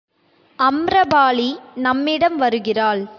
அம்ரபாலி நம்மிடம் வருகிறாள்.